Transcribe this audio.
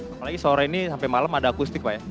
apalagi sore ini sampai malam ada akustik pak ya